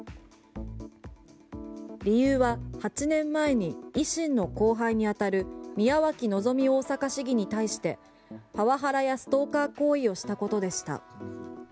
理由は８年前に維新の後輩にあたる宮脇希大阪市議に対しパワハラやストーカー行為をしたことでした。